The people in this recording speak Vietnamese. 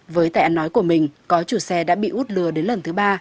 với tài án nói của mình có chủ xe đã bị út lừa đến lần thứ ba